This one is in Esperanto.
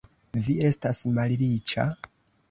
Vi estas malriĉa!